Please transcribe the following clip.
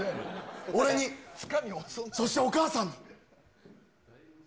俺に、そしてお母さんに。